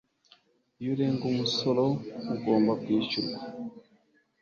iyo urenga umusoro ugomba kwishyurwa